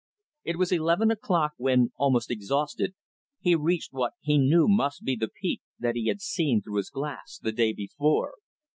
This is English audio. It was eleven o'clock when, almost exhausted, he reached what he knew must be the peak that he had seen through his glass the day before.